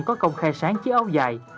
có công khai sáng chiếc áo dài